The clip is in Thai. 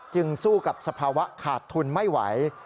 สู้กับสภาวะขาดทุนไม่ไหว